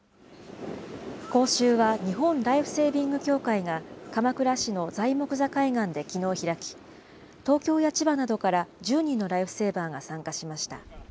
講習は日本ライフセービング協会が鎌倉市の材木座海岸できのう開き、東京や千葉などから１０人のライフセーバーが参加しました。